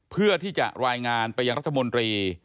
เพื่อที่จะรายงานไปยังรัฐมนตรี